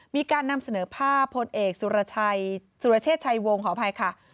มีการนำเสนอภาพผลเอกสุรเชษฐ์ชายวงขออภัยค่ะ